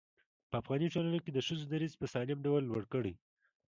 په افغاني ټولنه کې د ښځو دريځ په سالم ډول لوړ کړي.